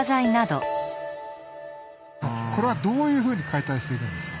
これはどういうふうに解体していくんですか？